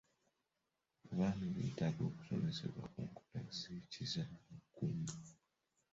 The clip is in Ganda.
Abaami beetaaga okusomesebwa ku nkola z'ekizaala ggumba.